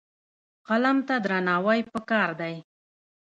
قلم ته درناوی پکار دی.